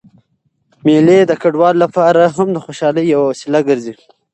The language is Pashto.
مېلې د کډوالو له پاره هم د خوشحالۍ یوه وسیله ګرځي.